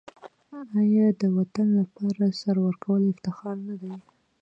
آیا د وطن لپاره سر ورکول افتخار نه دی؟